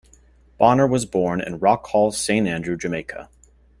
Bonner was born in Rock Hall, Saint Andrew, Jamaica.